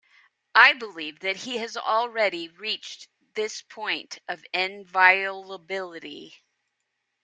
I believe that he has already reached this point of inviolability.